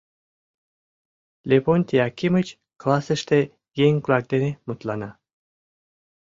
Левонтий Акимыч классыште еҥ-влак дене мутлана.